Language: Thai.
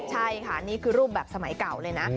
ใช่ค่ะนี่คือรูปแบบสมัยเก่าเลยนะ